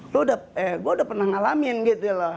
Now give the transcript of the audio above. lo gue udah pernah ngalamin gitu loh